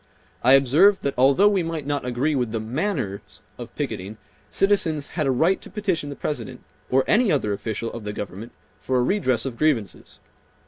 I observed that although we might not agree with the "manners" of picketing, citizens had a right to petition the President or any other official of the government for a redress of grievances.